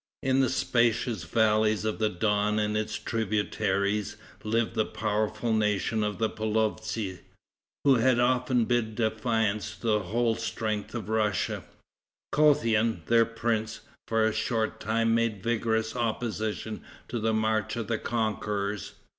In the spacious valleys of the Don and its tributaries lived the powerful nation of the Polovtsi, who had often bid defiance to the whole strength of Russia. Kothian, their prince, for a short time made vigorous opposition to the march of the conquerors.